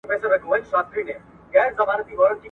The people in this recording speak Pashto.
شاعران به په مجلسونو کې د پاچا د تشويق پر مهال نوښتونه کول.